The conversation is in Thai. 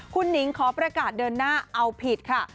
คุณหนิงขอประกาศเดินหน้าเอาผิดค่ะ